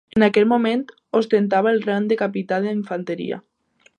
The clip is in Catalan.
En aquell moment ostentava el rang de capità d'infanteria.